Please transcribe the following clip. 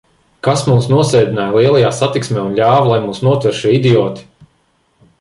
Kas mūs nosēdināja lielajā satiksmē un ļāva, lai mūs notver šie idioti?